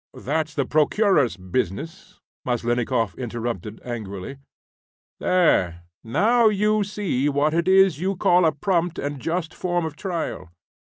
And ..." "That's the Procureur's business," Maslennikoff interrupted, angrily. "There, now, you see what it is you call a prompt and just form of trial.